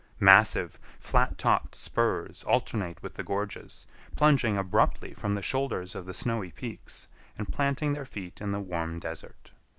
Massive, flat topped spurs alternate with the gorges, plunging abruptly from the shoulders of the snowy peaks, and planting their feet in the warm desert.